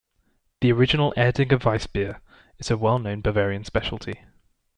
The original Erdinger Weissbier is a well-known Bavarian specialty.